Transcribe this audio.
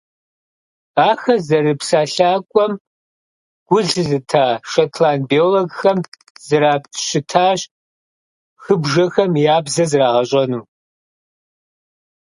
Ахэр зэрыпсэлъакӏуэм гу лъызыта шотланд биологхэм зрапщытащ хыбжэхэм я «бзэр» зэрагъэщӏэну.